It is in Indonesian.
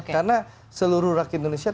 karena seluruh rakyat indonesia